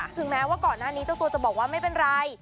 ถึงแม้ว่าก่อนหน้านี้เจ้าตัวจะบอกว่าไม่เป็นไร